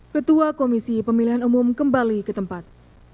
ketua komisi pemilihan umum kembali ke tempat